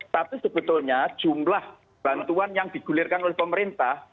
tapi sebetulnya jumlah bantuan yang digulirkan oleh pemerintah